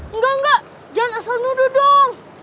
enggak enggak jangan asal nuduh dong